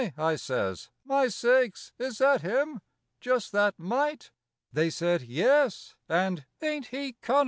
I says, "My sakes, is that him? Just that mite!" They said, "Yes," and, "Ain't he cunnin'?"